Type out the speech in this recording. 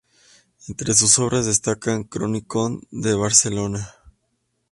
Entres sus obras destacan "Cronicón de Barcelona.